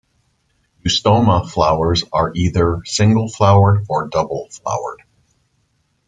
"Eustoma" flowers are either single-flowered or double-flowered.